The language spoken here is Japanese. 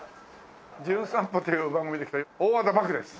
『じゅん散歩』という番組で来た大和田獏です。